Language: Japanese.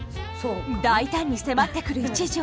大胆に迫ってくる一条。